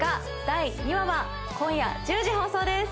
第２話は今夜１０時放送です